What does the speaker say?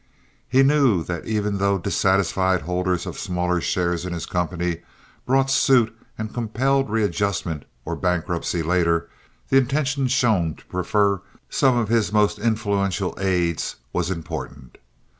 He knew that even though dissatisfied holders of smaller shares in his company brought suit and compelled readjustment or bankruptcy later, the intention shown to prefer some of his most influential aids was important.